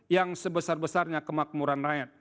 yang sebesar besarnya kemakmuran rakyat